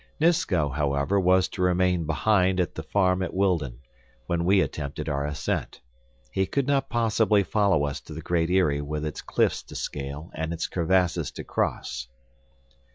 Nisko, however, was to remain behind at the farm at Wildon, when we attempted our ascent. He could not possibly follow us to the Great Eyrie with its cliffs to scale and its crevasses to cross.